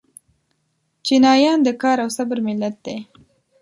چینایان د کار او صبر ملت دی.